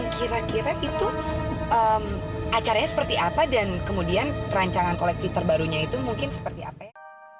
kira kira itu acaranya seperti apa dan kemudian rancangan koleksi terbarunya itu mungkin seperti apa ya